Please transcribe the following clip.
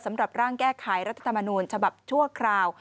ร่างแก้ไขรัฐธรรมนูญฉบับชั่วคราว